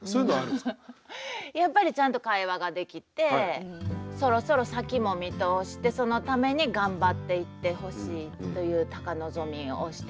やっぱりちゃんと会話ができてそろそろ先も見通してそのために頑張っていってほしいという高望みをしております。